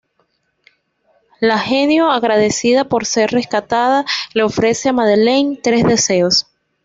La genio, agradecida por ser rescatada, le ofrece a Madeline tres deseos.